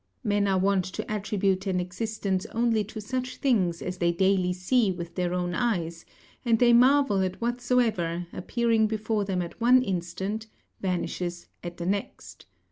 Men are wont to attribute an existence only to such things as they daily see with their own eyes, and they marvel at whatsoever, appearing before them at one instant, vanishes at the next.